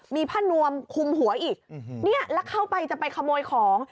มีผ้านวมคุมหัวอีกเนี่ยแล้วเข้าไปจะไปขโมยของ